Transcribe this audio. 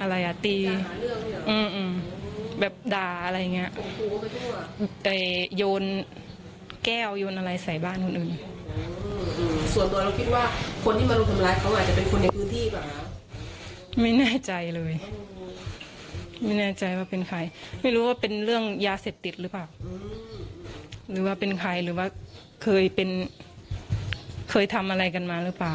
อะไรอ่ะตีแบบด่าอะไรอย่างเงี้ยแต่โยนแก้วโยนอะไรใส่บ้านคนอื่นส่วนตัวเราคิดว่าคนที่มารุมทำร้ายเขาอาจจะเป็นคนในพื้นที่หรือเปล่าไม่แน่ใจเลยไม่แน่ใจว่าเป็นใครไม่รู้ว่าเป็นเรื่องยาเสพติดหรือเปล่าหรือว่าเป็นใครหรือว่าเคยเป็นเคยทำอะไรกันมาหรือเปล่า